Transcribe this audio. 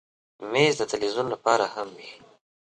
مېز د تلویزیون لپاره هم وي.